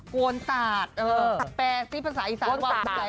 กวนตากแตกแปลที่ภาษาอีสานว่า